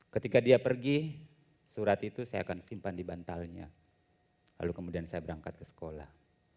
ketika dia pergi surat itu saya akan simpan di bantalnya lalu kemudian saya berangkat ke sekolah